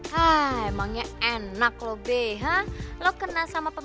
tapi ini tidak masalah